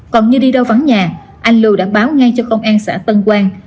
còn như đi đâu vắng nhà anh lưu đã báo ngay cho công an xã tân quang